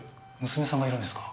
娘さんがいるんですか？